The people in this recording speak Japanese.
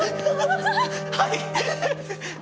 はい！